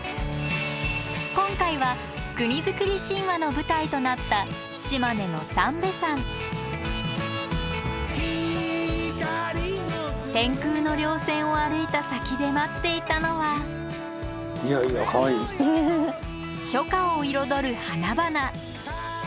今回は国造り神話の舞台となった島根の天空の稜線を歩いた先で待っていたのは初夏を彩る花々。